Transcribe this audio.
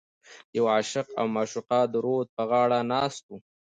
یو عاشق او معشوقه د رود په غاړه ناست و.